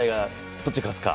どっちが勝つか。